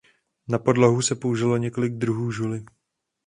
Na podlahu se použilo několik druhů žuly.